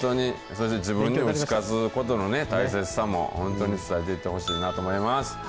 それで自分に打ち勝つことの大切さも本当に伝えていってほしいなと思います。